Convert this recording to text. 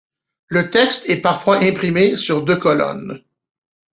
Le texte est parfois imprimé sur deux colonnes.